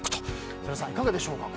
設楽さん、いかがでしょうか。